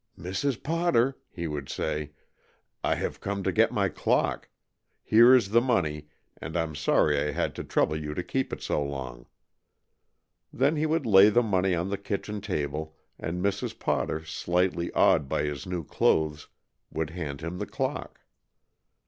"Mrs. Potter," he would say, "I have come to get my clock. Here is the money, and I'm sorry I had to trouble you to keep it so long." Then he would lay the money on the kitchen table, and Mrs. Potter, slightly awed by his new clothes, would hand him the clock.